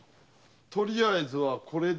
とりあえずはこれでよいな？